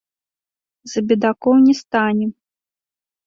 За бедакоў не стане!